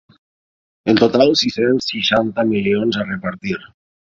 En total, sis-cents seixanta milions a repartir.